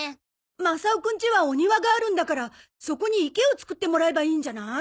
マサオくんちはお庭があるんだからそこに池を作ってもらえばいいんじゃない？